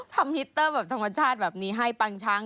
ฮิตเตอร์แบบธรรมชาติแบบนี้ให้ปังช้าง